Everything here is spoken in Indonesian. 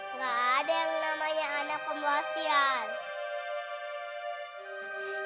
enggak ada yang namanya anak pembawa sial